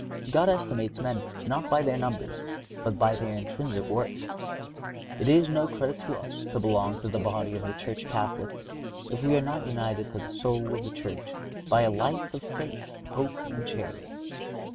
God estimates men not by their numbers, but by their intrinsic worth. It is no credit to us to belong to the body of the Church Catholic if we are not united to the soul of the Church by a life of faith, hope and charity.